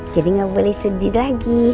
jangan boleh sedih lagi